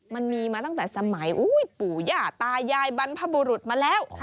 มันมีมาตั้งแต่สมัยปู่ย่าตายายบรรพบุรุษมาแล้ว